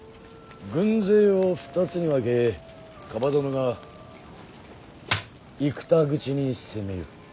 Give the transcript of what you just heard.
軍勢を２つに分け蒲殿が生田口に攻め寄る。